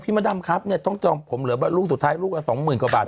ปัดทุเรียงฉันไปด้วยได้ไหม